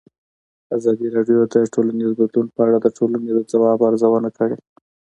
ازادي راډیو د ټولنیز بدلون په اړه د ټولنې د ځواب ارزونه کړې.